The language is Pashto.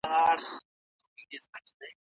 چایجوشه بې مسو نه جوړیږي.